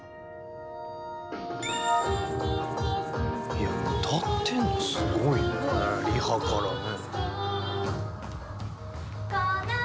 いや歌ってんのすごいねリハからね。